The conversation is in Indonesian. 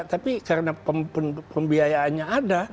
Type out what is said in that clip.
tapi karena pembiayaannya ada